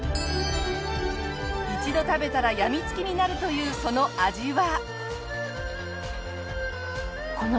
一度食べたらやみつきになるというその味は。